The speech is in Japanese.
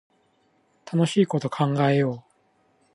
楽しいこと考えよう